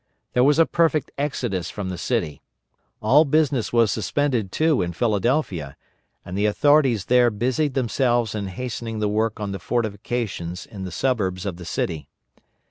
There was a perfect exodus from the city. All business was suspended, too, in Philadelphia, and the authorities there busied themselves in hastening the work on the fortifications in the suburbs of the city.